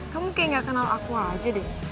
kamu kayak gak kenal aku aja deh